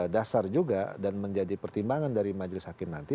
dasar juga dan menjadi pertimbangan dari majelis hakim nanti